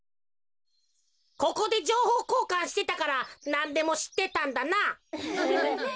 ここでじょうほうこうかんしてたからなんでもしってたんだな。